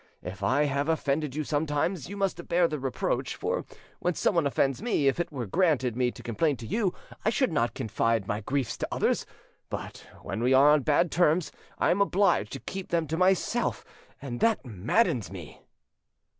If I have offended you sometimes, you must bear the reproach; for when someone offends me, if it were granted me to complain to you, I should not confide my griefs to others; but when we are on bad terms, I am obliged to keep them to myself, and that maddens me.